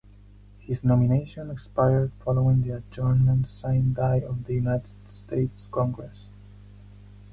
His nomination expired following the Adjournment sine die of the United States Congress.